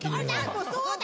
そうだよ。